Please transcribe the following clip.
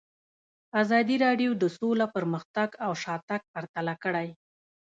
ازادي راډیو د سوله پرمختګ او شاتګ پرتله کړی.